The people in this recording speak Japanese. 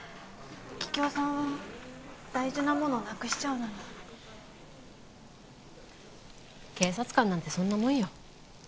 桔梗さんは大事なものなくしちゃうのに警察官なんてそんなもんよ